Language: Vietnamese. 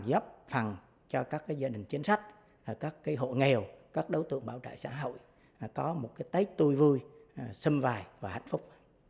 giúp phần cho các gia đình chiến sách các hộ nghèo các đối tượng bảo trợ xã hội có một cái tết tui vui xâm vài và hạnh phúc